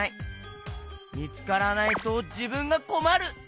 みつからないとじぶんがこまる。